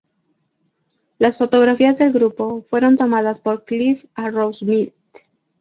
Las fotografías del grupo fueron tomadas por Clive Arrowsmith.